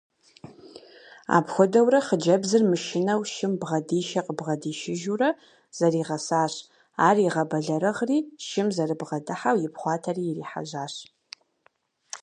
Апхуэдэурэ хъыджэбзыр мышынэу шым бгъэдишэ–къыбгъэдишыжурэ зэригъэсащ, ар игъэбэлэрыгъри шым зэрыбгъэдыхьэу ипхъуатэри ирихьэжьащ.